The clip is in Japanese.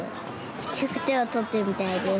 １００点を取ってみたいです。